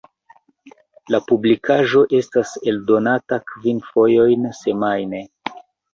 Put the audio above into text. La publikaĵo estas eldonata kvin fojojn semajne.